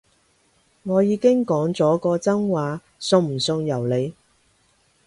我已經講咗個真話，信唔信由你